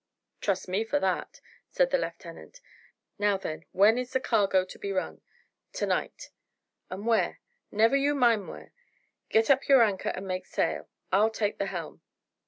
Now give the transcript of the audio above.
"Trust me for that," said the lieutenant. "Now, then, when is the cargo to be run?" "T'night." "And where?" "Never you mind wheer. Get up your anchor, and make sail; I'll take the helm."